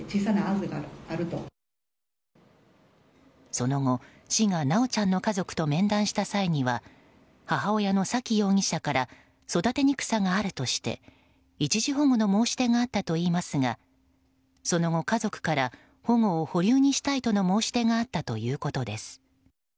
その後、市が修ちゃんの家族と面談した際には母親の沙喜容疑者から育てにくさがあるとして一時保護の申し出があったといいますがその後、家族から保護を保留にしたいとの申し出があったということです。